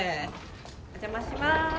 お邪魔します。